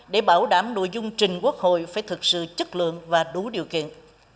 để bảo đảm nội dung trình quốc hội phải thực sự chất lượng và đủ điều kiện